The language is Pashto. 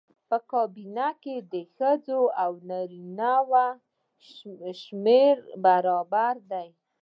په کابینه کې د ښځو او نارینه وو شمېر برابر دی.